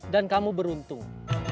dan kamu beruntung